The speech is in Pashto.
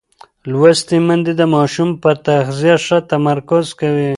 لوستې میندې د ماشوم پر تغذیه ښه تمرکز کوي.